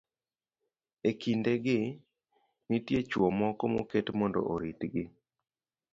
E kindegi, nitie chwo moko moket mondo oritgi.